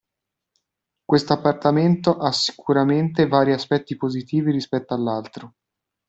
Quest'appartamento ha sicuramente vari aspetti positivi rispetto all'altro